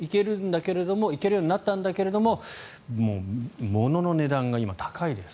行けるようになったけどもう物の値段が高いです。